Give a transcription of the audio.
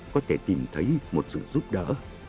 có thể tìm thấy một sự giúp đỡ